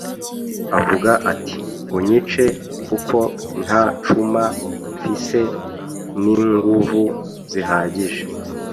Avuga ati: “Unyice, 'kuko nta cuma mfise n'inguvu zihagije,